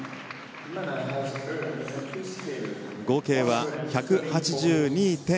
合計は１８２．５０。